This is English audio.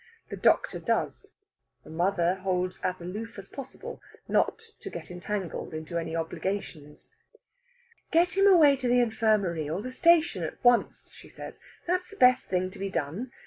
The doctor does. The mother holds as aloof as possible, not to get entangled into any obligations. "Get him away to the infirmary, or the station at once," she says. "That's the best thing to be done.